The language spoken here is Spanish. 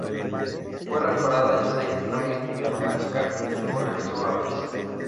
Fue reparada en Sainte-Marie de Madagascar y luego regresó a Brest.